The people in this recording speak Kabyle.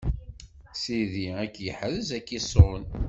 Sidi ad k-iḥrez ad k-iṣun.